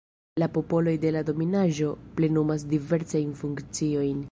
La popoloj de la dominaĵo plenumas diversajn funkciojn.